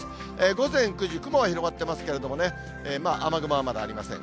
午前９時、雲が広がっていますけどね、雨雲はまだありません。